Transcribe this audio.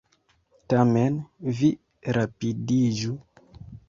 Tamen, vi rapidiĝu!